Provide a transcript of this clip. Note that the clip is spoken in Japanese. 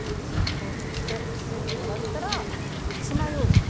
このふうに包んでもらったらつまようじで。